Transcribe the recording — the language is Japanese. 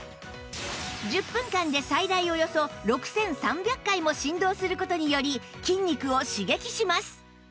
１０分間で最大およそ６３００回も振動する事により筋肉を刺激します